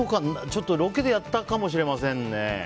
ちょっとロケでやったかもしれません。